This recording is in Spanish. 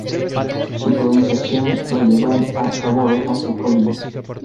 Su polinización la llevan a cabo abejas o polillas.